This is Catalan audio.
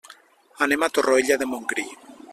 Anem a Torroella de Montgrí.